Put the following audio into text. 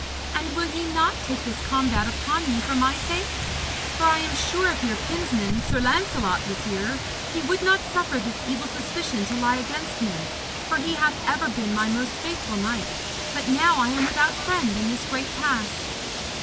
And will ye not take this combat upon ye for my sake? For I am sure if your kinsman, Sir Lancelot, was here, he would not suffer this evil suspicion to lie against me. For he hath ever been my most faithful knight, but now am I without friend in this great pass.'